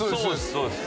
そうです